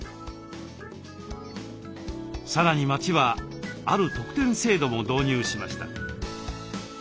さらに町はある特典制度も導入しました。